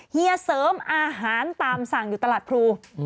เฮียเสริมอาหารตามสั่งอยู่ตลาดพลู